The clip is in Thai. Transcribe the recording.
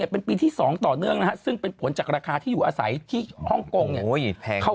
เป็นปีที่๒ต่อเดือนนะซึ่งเป็นผลจากราคาที่อยู่อาศัยที่พรุ่งเขา